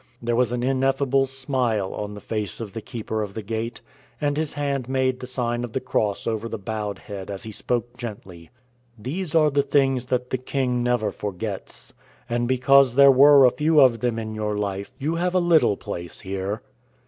There was an ineffable smile on the face of the Keeper of the Gate, and his hand made the sign of the cross over the bowed head as he spoke gently: "These are the things that the King never forgets; and because there were a few of them in your life, you have a little place here."